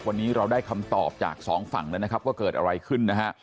วันนี้เราได้คำตอบจากสองฝั่งแล้วนะครับว่าเกิดอะไรขึ้นนะฮะ